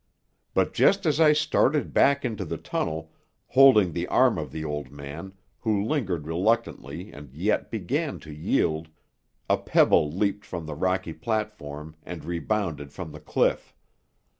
But just as I started back into the tunnel, holding the arm of the old man, who lingered reluctantly and yet began to yield, a pebble leaped from the rocky platform and rebounded from the cliff.